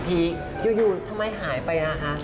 ยังไงถูกหายไป